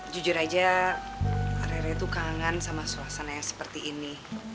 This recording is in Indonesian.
jujur aja arera itu kangen sama suasana yang seperti ini